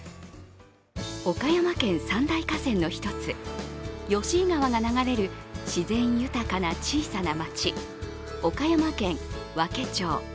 岡山県三大河川の１つ、吉井川が流れる自然豊かな小さな町岡山県和気町。